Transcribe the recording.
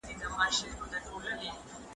تر سبا پورې به مې ټولې کیسې لوستې وي.